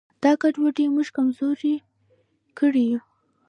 دا ګډوډي موږ کمزوري کړي یو.